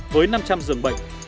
với năm trăm linh giường bệnh